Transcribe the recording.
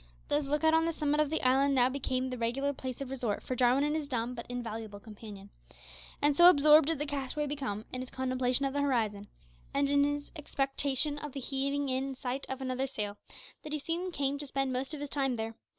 This look out on the summit of the island now became the regular place of resort for Jarwin and his dumb, but invaluable companion. And so absorbed did the castaway become, in his contemplation of the horizon, and in his expectation of the heaving in sight of another sail, that he soon came to spend most of his time there.